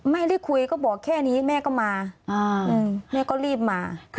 ไม่ได้คุยก็บอกแค่นี้แม่ก็มาแม่ก็รีบมา